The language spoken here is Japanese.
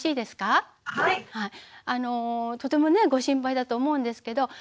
とてもねご心配だと思うんですけど